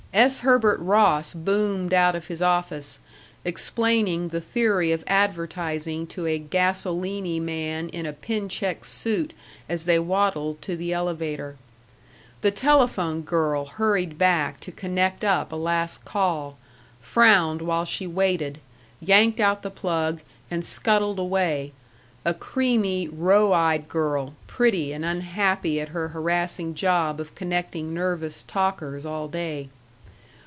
S. Herbert Ross boomed out of his office, explaining the theory of advertising to a gasoleny man in a pin checked suit as they waddled to the elevator. The telephone girl hurried back to connect up a last call, frowned while she waited, yanked out the plug, and scuttled away a creamy, roe eyed girl, pretty and unhappy at her harassing job of connecting nervous talkers all day.